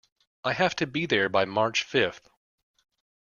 I have to be there by March fifth.